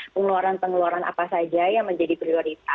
pengeluaran pengeluaran apa saja yang menjadi prioritas